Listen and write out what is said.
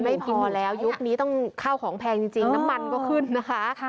ไม่พอแล้วยุคนี้ต้องข้าวของแพงจริงน้ำมันก็ขึ้นนะคะ